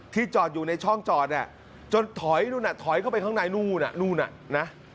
ที่จอดอยู่ในช่องจอดจนถอยเข้าไปข้างในนู้น